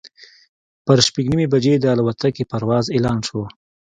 پر شپږ نیمې بجې د الوتکې پرواز اعلان شو.